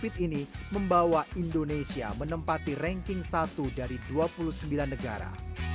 covid ini membawa indonesia menempati ranking satu dari dua puluh sembilan negara